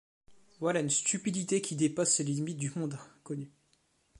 Voilà une stupidité qui dépasse les limites du monde connu.